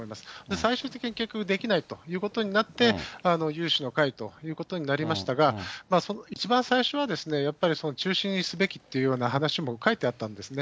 最終的に結局できないということになって、有志の会ということになりましたが、一番最初はやっぱり中止にすべきというような話も書いてあったんですね。